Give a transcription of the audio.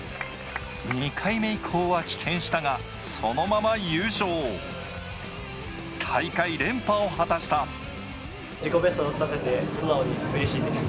２回目以降は棄権したがそのまま優勝大会連覇を果たした自己ベストを出せて素直に嬉しいです